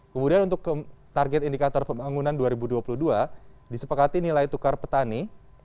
kemudian untuk target indikator pembangunan dua ribu dua puluh dua disepakati nilai tukar petani